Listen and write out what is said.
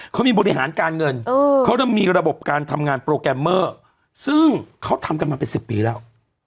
เขามีบริหารการเงินเขาเริ่มมีระบบการทำงานโปรแกรมเมอร์ซึ่งเขาทำกันมาเป็น๑๐ปีแล้ว